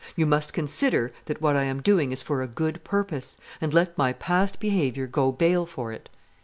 You must consider that what I am doing is for a good purpose, and let my past behavior go bail for it."